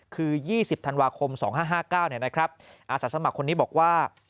คือ๒๐ธันวาคม๒๕๕๙อาสาสมัครคนนี้บอกว่า